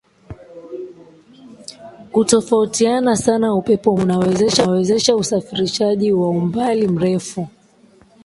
kutofautiana sana Upepo mkali unawezesha usafirishaji wa umbali mrefu